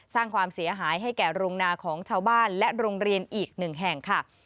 สร้างความเสียหายให้แก่โรงนาของชาวบ้านและโรงเรียนอีกหนึ่งแห่งค่ะ